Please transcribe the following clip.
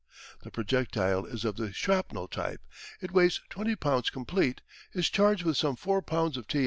The projectile is of the shrapnel type. It weighs 20 pounds complete, is charged with some four pounds of T.N.